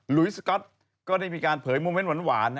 ลุยสก๊อตก็ได้มีการเผยโมเมนต์หวาน